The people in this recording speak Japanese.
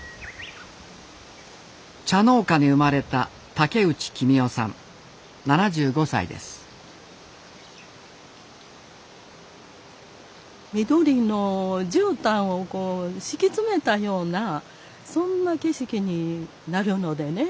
茶農家に生まれた緑のじゅうたんをこう敷き詰めたようなそんな景色になるのでね